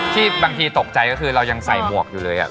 ที่บางทีตกใจก็คือเรายังใส่หมวกอยู่เลย